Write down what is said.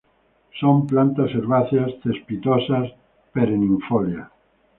Son plantas herbáceas cespitosas perennifolias.